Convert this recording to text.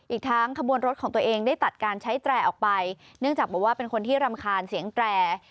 อีกทั้งขบวนรถของตัวเองได้ตัดการใช้แตรออกไปเนื่องจากบอกว่าเป็นคนที่รำคาญเสียงแตร